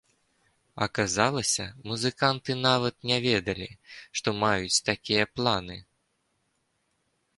Аказалася, музыканты нават не ведалі, што маюць такія планы.